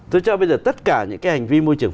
tôi cho bây giờ tất cả những cái hành vi môi trường